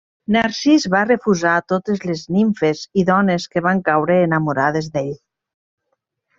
Narcís va refusar totes les nimfes i dones que van caure enamorades d'ell.